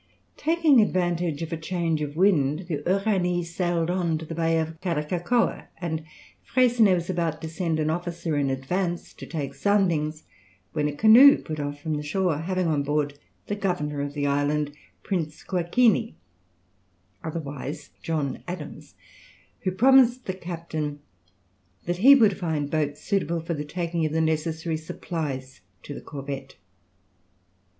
Taking advantage of a change of wind the Uranie sailed on to the Bay of Karakakoa, and Freycinet was about to send an officer in advance to take soundings, when a canoe put off from the shore, having on board the governor of the island, Prince Kouakini, otherwise John Adams, who promised the captain that he would find boats suitable for the taking of the necessary supplies to the corvette.